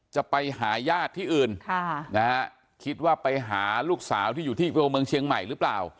จะไปหาญาติที่อื่นคิดว่าไปหาลูกสาวที่อยู่ที่ตัวเมืองเชียงใหม่หรือเปล่า